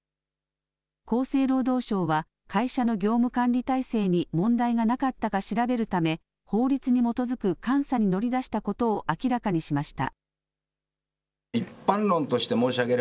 厚生労働省は会社の業務管理体制に問題がなかったか調べるため法律に基づく監査に乗り出したことを明らかにしました。